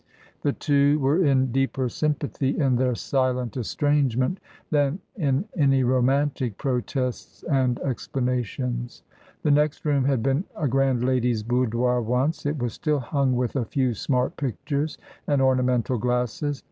The two were in deeper sympathy in their silent estrangement than in any romantic protests and explanations. The next room had been a grand lad/s boudoir once. It was still hung with a few smart pictures and ornamental glasses.